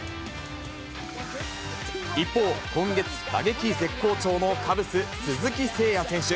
一方、今月打撃絶好調のカブス、鈴木誠也選手。